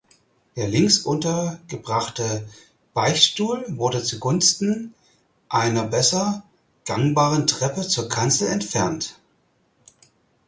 Der links untergebrachte Beichtstuhl wurde zugunsten einer besser gangbaren Treppe zur Kanzel entfernt.